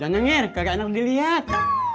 jangan nger kagak enak dilihat